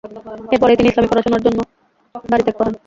এরপরেই তিনি ইসলামী পড়াশোনা করার জন্য বাড়ি ত্যাগ করেন।